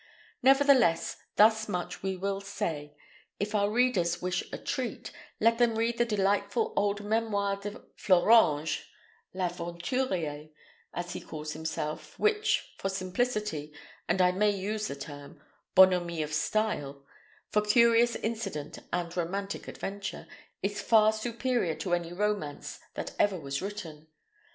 Nevertheless, thus much we will say: if our readers wish a treat, let them read the delightful old Mémoires of Fleuranges "L'Aventurier," as he calls himself which for simplicity, and, if I may use the term, bonhommie of style, for curious incident and romantic adventure, is far superior to any romance that ever was written.